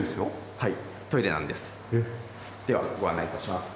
はい。